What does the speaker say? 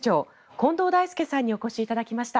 近藤大介さんにお越しいただきました。